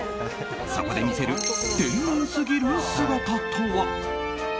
そこで見せる、天然すぎる姿とは。